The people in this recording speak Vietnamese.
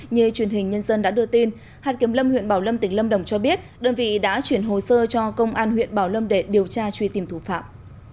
như truyền hình nhân dân đã đưa tin hạt kiểm lâm huyện bảo lâm tỉnh lâm đồng cho biết đơn vị đã chuyển hồ sơ cho công an huyện bảo lâm để điều tra truy tìm thủ phạm